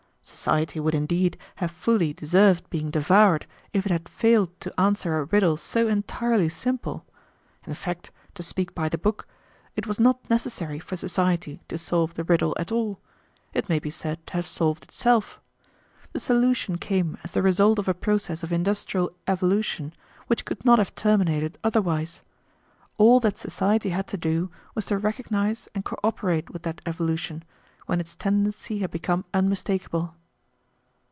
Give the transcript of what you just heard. Society would indeed have fully deserved being devoured if it had failed to answer a riddle so entirely simple. In fact, to speak by the book, it was not necessary for society to solve the riddle at all. It may be said to have solved itself. The solution came as the result of a process of industrial evolution which could not have terminated otherwise. All that society had to do was to recognize and cooperate with that evolution, when its tendency had become unmistakable."